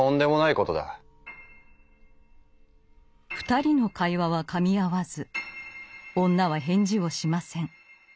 ２人の会話はかみ合わず女は返事をしません。